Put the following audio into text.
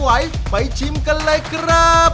ไหวไปชิมกันเลยครับ